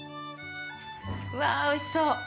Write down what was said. うわ、おいしそう。